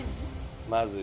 「まず」